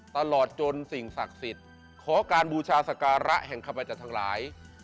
ตลอดจนสิ่งศักดิ์สิทธิ์ขอการบูชาสการะแห่งขบัญญัติทั้งหลาย